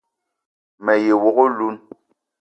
Me ye wok oloun